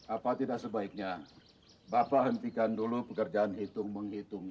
apa tidak sebaiknya bapak hentikan dulu pekerjaan hitung menghitung